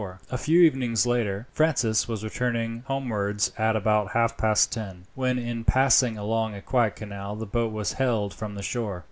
A few evenings later, Francis was returning homewards at about half past ten, when, in passing along a quiet canal, the boat was hailed from the shore.